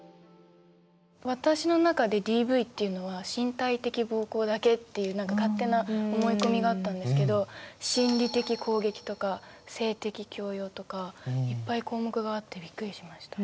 私の中でＤＶっていうのは身体的暴行だけっていう勝手な思い込みがあったんですけど心理的攻撃とか性的強要とかいっぱい項目があってびっくりしました。